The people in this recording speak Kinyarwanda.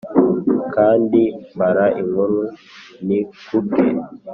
kandi mbara inkuru ntikuke